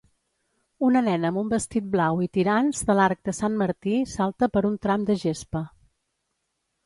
Una nena amb un vestit blau i tirants de l'arc de Sant Martí salta per un tram de gespa.